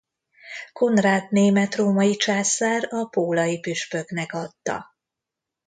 Konrád német-római császár a pólai püspöknek adta.